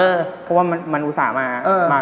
เพราะว่ามันอุตส่าห์มา